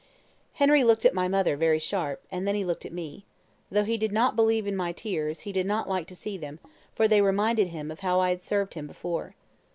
"Henry looked up at mother very sharp, and then he looked at me. Though he did not believe in my tears, he did not like to see them, for they reminded him of how I had served him before.